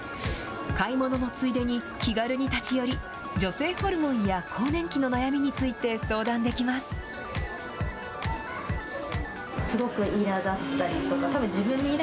買い物のついでに、気軽に立ち寄り、女性ホルモンや更年期の悩みについて相談できます。